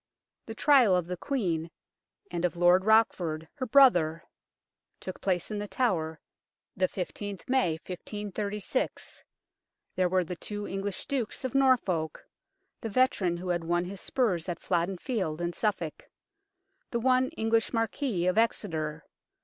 The trial of the Queen and of Lord Rochford, her brother, took place in The Tower, the i5th May 1536. There were the two English Dukes, of Norfolk the veteran who had won his spurs at Flodden Field and Suffolk. The one English Marquis, of Exeter.